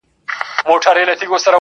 اختر نژدې دی~